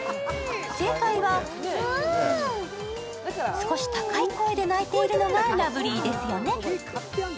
少し高い声で鳴いているのがラブリーですよね。